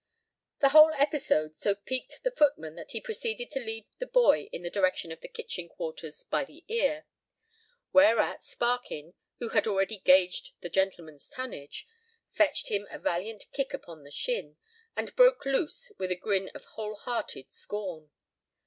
The whole episode so piqued the footman that he proceeded to lead the boy in the direction of the kitchen quarters by the ear. Whereat, Sparkin, who had already gauged the gentleman's tonnage, fetched him a valiant kick upon the shin, and broke loose with a grin of whole hearted scorn.